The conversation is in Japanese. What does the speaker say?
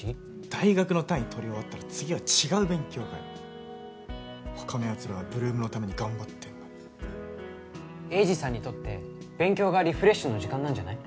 大学の単位取り終わったら次は違う勉強かよ他のやつらは８ＬＯＯＭのために頑張ってんのに栄治さんにとって勉強がリフレッシュの時間なんじゃない？